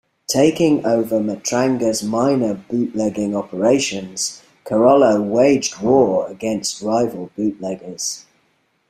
Taking over Matranga's minor bootlegging operations, Carollo waged war against rival bootleggers.